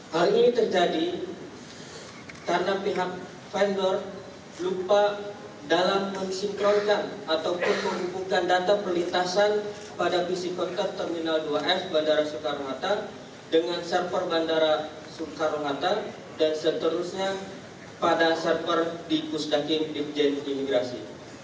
hal ini terjadi karena pihak vendor lupa dalam mensinkronkan atau menghubungkan data perlintasan pada pc contact terminal dua f bandara soekarno hatta dengan server bandara soekarno hatta dan seterusnya pada server di pusdakin dipjen imigrasi